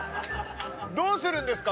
どうするんですか？